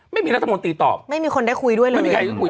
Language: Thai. ไม่มีรัฐมนตรีตอบไม่มีคนได้คุยด้วยเลย